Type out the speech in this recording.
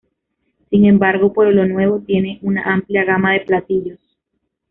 Sin embargo Pueblo Nuevo tiene una amplia gama de platillos.